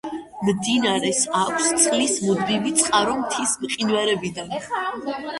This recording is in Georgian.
მდინარეს აქვს წყლის მუდმივი წყარო მთის მყინვარებიდან.